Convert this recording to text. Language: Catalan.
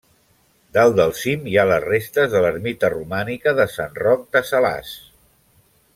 Dalt del cim hi ha les restes de l'ermita romànica de Sant Roc de Salàs.